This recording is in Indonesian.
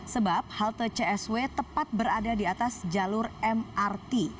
sebab halte csw tepat berada di atas jalur mrt